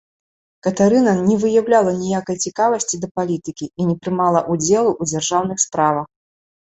Катарына не выяўляла ніякай цікавасці да палітыкі і не прымала ўдзелу ў дзяржаўных справах.